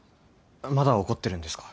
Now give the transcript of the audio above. まだ怒ってるんですか？